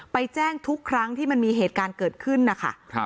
แจ้งทุกครั้งที่มันมีเหตุการณ์เกิดขึ้นนะคะ